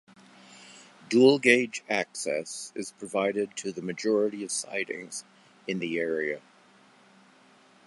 Dual gauge access is provided to the majority of sidings in the area.